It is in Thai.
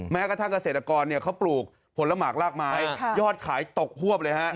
แม้กระทั่งเกษตรกรเขาปลูกผลหมากลากไม้ยอดขายตกฮวบเลยฮะ